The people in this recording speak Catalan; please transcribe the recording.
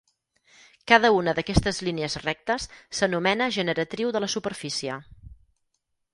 Cada una d'aquestes línies rectes s'anomena generatriu de la superfície.